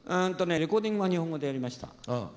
レコーディングは日本語でやりました。